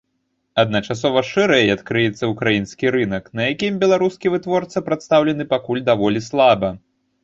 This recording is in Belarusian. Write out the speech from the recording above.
Адначасова шырэй адкрыецца ўкраінскі рынак, на якім беларускі вытворца прадстаўлены пакуль даволі слаба.